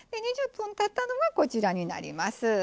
２０分たったのがこちらになります。